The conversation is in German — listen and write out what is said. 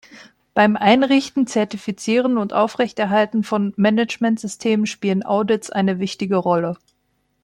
Beim Einrichten, Zertifizieren und Aufrechterhalten von Managementsystemen spielen Audits eine wichtige Rolle.